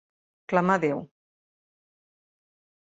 Clamar a Déu.